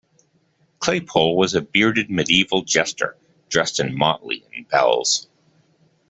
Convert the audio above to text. Claypole was a bearded medieval jester, dressed in motley and bells.